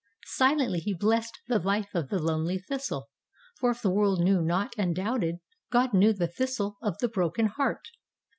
Silently He blessed the life of the lonely thistle. For if the world knew not and doubted, God knew the thistle of the broken heart.